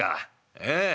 ええ。